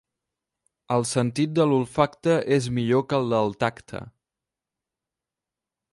El sentit de l'olfacte és millor que el del tacte.